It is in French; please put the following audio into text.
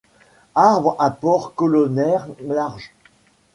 Arbre à port colonnaire large.